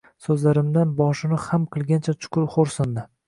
so`zlarimdan boshini xam qilgancha chuqur xo`rsindi